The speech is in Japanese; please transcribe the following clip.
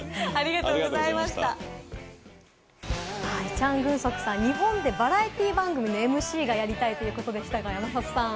チャン・グンソクさん、日本でバラエティー番組のＭＣをやりたいということをおっしゃってましたが、山里さん。